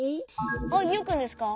あっユウくんですか？